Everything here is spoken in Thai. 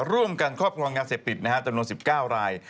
ร่วมกันครอบครองยาเสพติดจำนวน๑๙ราย